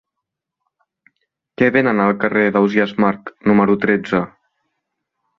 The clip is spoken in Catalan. Què venen al carrer d'Ausiàs Marc número tretze?